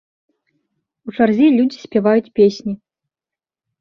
У чарзе людзі спяваюць песні.